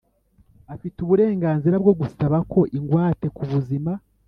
afite uburenganzira bwo gusaba ko ingwate kubuzima